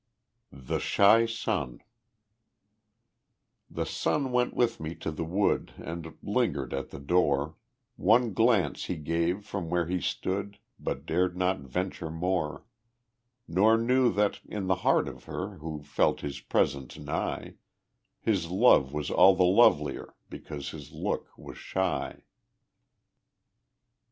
The Shy Sun The sun went with me to the wood, And lingered at the door; One glance he gave from where he stood, But dared not venture more, Nor knew that in the heart of her Who felt his presence nigh, His love was all the lovelier Because his look was shy.